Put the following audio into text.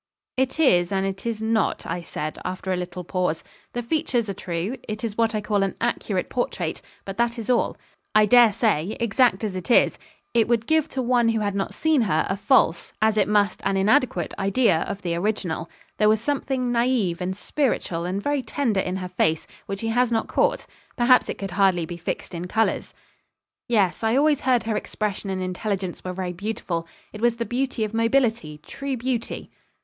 'It is, and it is not,' I said, after a little pause. 'The features are true: it is what I call an accurate portrait, but that is all. I dare say, exact as it is, it would give to one who had not seen her a false, as it must an inadequate, idea, of the original. There was something naïve and spirituel, and very tender in her face, which he has not caught perhaps it could hardly be fixed in colours.' 'Yes, I always heard her expression and intelligence were very beautiful. It was the beauty of mobility true beauty.'